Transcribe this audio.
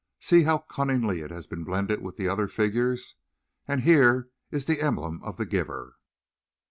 "See how cunningly it has been blended with the other figures. And here is the emblem of the giver."